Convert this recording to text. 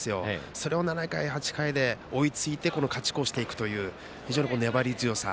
それを７回、８回で追いついて勝ち越していくという非常に粘り強さ。